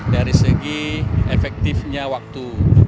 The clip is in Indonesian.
dari segi efektifnya waktu